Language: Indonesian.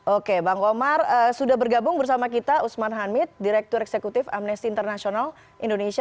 oke bang omar sudah bergabung bersama kita usman hamid direktur eksekutif amnesty international indonesia